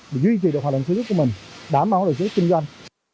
để duy trì được hoạt động sử dụng của mình đảm bảo hoạt động sử dụng kinh doanh